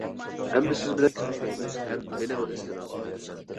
ئەمدى سىز بىلەن كۆرۈشمەيمەن، ھەم مېنىمۇ ئىزدىمەڭ!